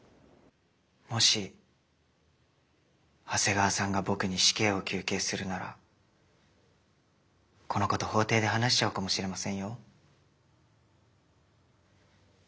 もし長谷川さんが僕に死刑を求刑するならこのこと法廷で話しちゃうかもしれませんよ。